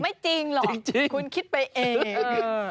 ไม่จริงหรอกคุณคิดไปเอง